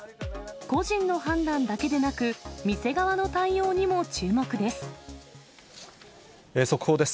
個人の判断だけでなく、店側の対速報です。